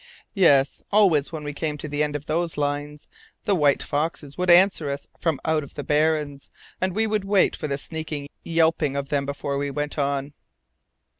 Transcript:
"Yes, always when we came to the end of those lines, the white foxes would answer us from out on the barrens, and we would wait for the sneaking yelping of them before we went on.